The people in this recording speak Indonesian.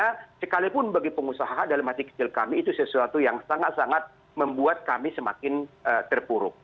karena sekalipun bagi pengusaha dalam hati kecil kami itu sesuatu yang sangat sangat membuat kami semakin terpuruk